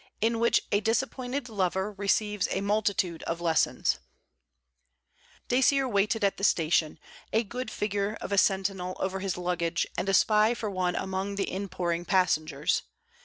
IN WHICH A DISAPPOINTED LOVER RECEIVES A MULTITUDE OF LESSONS Dacier welted at the station, a good figure of a sentinel over his luggage and a spy for one among the inpouring passengers.